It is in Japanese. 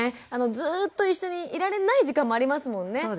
ずっと一緒にいられない時間もありますもんね。